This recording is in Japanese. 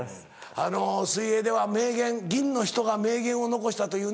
水泳では名言銀の人が名言を残したというね。